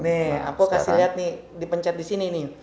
nih aku kasih liat nih dipencet disini nih